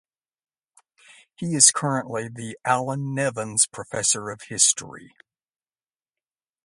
He is currently the Allan Nevins Professor of History.